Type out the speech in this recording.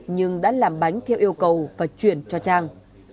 nhưng đã làm bánh theo yêu cầu và chuyển cho trang